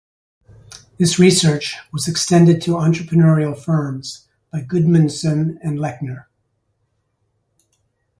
This research was extended to entrepreneurial firms by Gudmundsson and Lechner.